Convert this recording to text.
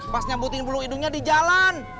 pas nyambutin bulu hidungnya di jalan